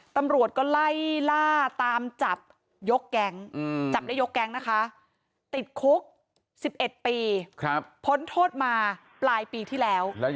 ตำรวจก็ไล่ล่าตามจับยกแก๊งจับได้ยกแก๊งนะคะติดคุก๑๑ปีพ้นโทษมาปลายปีที่แล้ว